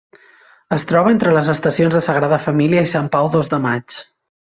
Es troba entre les estacions de Sagrada Família i Sant Pau Dos de Maig.